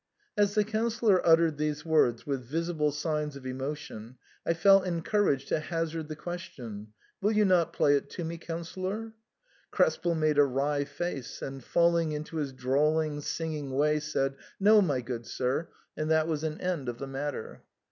As the Councillor uttered these words with visible signs of emotion, I felt encouraged to hazard the question, " Will you not play it to me, Councillor." Krespel made a wry face, and falling into his drawling, singing way, said, " No, my good sir !" and that was an end of the matter.